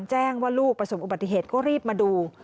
แจ้งว่าลูกประสบอุบัติเหตุก็รีบมาดู